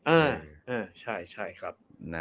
เออใช่ครับ